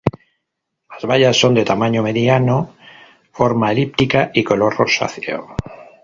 Las bayas son de tamaño mediano, forma elíptica y color rosáceo.